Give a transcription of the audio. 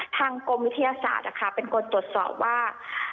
ทางกรมวิทยาศาสตร์เป็นคนตรวจสอบว่า